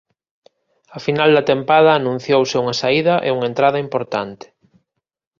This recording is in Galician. A final da tempada anunciouse unha saída e unha entrada importante.